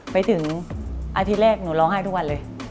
ไปถึงอาทิตย์แรกหนูร้องไห้ทุกวันเลย